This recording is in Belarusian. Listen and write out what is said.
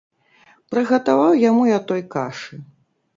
Прыгатаваў яму я той кашы.